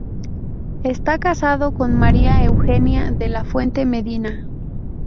Está casado con María Eugenia de la Fuente Medina.